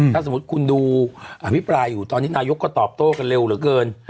ถ้าสมมุติคุณดูอภิปรายอยู่ตอนนี้นายกก็ตอบโต้กันเร็วเหลือเกิน